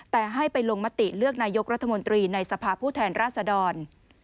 แต่ให้ไปลงมติเลือกนายกรัฐมนตรีในสภาพผู้แทนราษดร